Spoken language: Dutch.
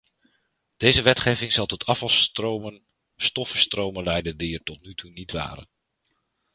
Deze wetgeving zal tot afvalstromen, stoffenstromen, leiden die er tot nu toe niet waren.